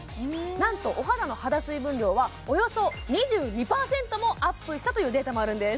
なんとお肌の肌水分量はおよそ２２％もアップしたというデータもあるんです